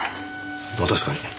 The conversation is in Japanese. まあ確かに。